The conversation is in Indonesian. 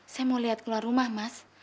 saya mau lihat keluar rumah mas